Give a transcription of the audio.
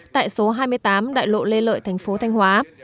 tại số hai mươi tám đại lộ lê lợi thành phố thanh hóa